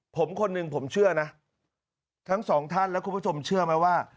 ผมคนหนึ่งผมเชื่อนะทั้งสองท่านและคุณผู้ชมเชื่อไหมว่า